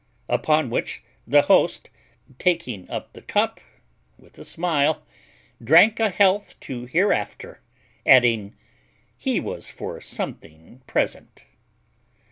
Upon which the host, taking up the cup, with a smile, drank a health to hereafter; adding, "He was for something present."